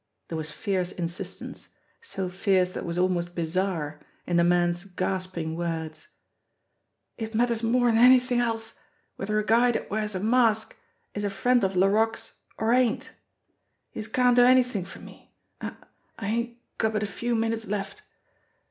There was fierce insistence, so fierce that it was almost bizarre, in the man's gasping words. "It matters more'n anythin' else whether a guy dat wears a mask is a friend of Laroque's or ain't. Youse can't do anythin' for me. I I ain't got but a few minutes left.